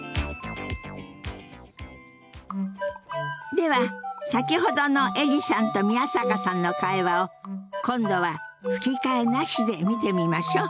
では先ほどのエリさんと宮坂さんの会話を今度は吹き替えなしで見てみましょう。